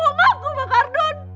ngaku pak arun